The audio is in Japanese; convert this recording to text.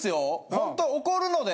ホント怒るので！